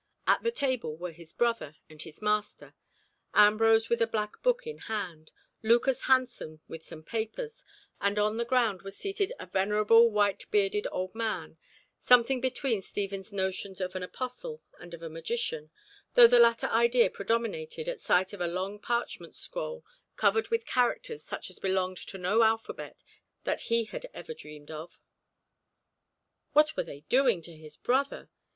At the table were his brother and his master, Ambrose with a black book in hand, Lucas Hansen with some papers, and on the ground was seated a venerable, white bearded old man, something between Stephen's notions of an apostle and of a magician, though the latter idea predominated at sight of a long parchment scroll covered with characters such as belonged to no alphabet that he had ever dreamt of. What were they doing to his brother?